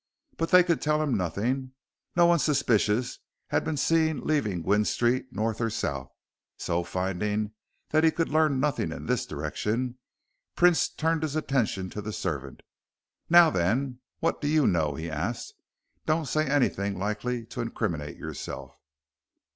But they could tell him nothing. No one suspicious had been seen leaving Gwynne Street north or south, so, finding he could learn nothing in this direction, Prince turned his attention to the servant. "Now, then, what do you know?" he asked. "Don't say anything likely to incriminate yourself."